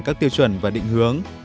các tiêu chuẩn và định hướng